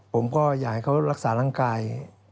ผมก็อยากให้เขารักษาร่างกาย